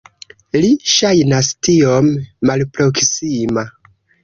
Li ŝajnas tiom malproksima.